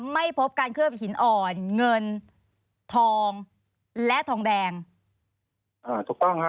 ไม่พบการเคลือบหินอ่อนเงินทองและทองแดง